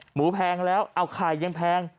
แพงแล้วเอาไข่ยังแพง